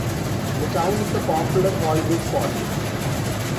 The town is a popular holiday spot.